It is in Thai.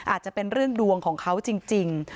อาจจะเป็นเรื่องดวงของเขาจริง